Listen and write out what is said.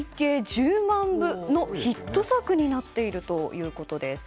１０万部のヒット作になっているということです。